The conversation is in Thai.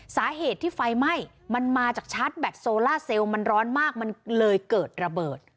สาเหตุที่ไฟไหม้มันมาจากชาร์จแบตโซล่าเซลล์มันร้อนมากมันเลยเกิดระเบิด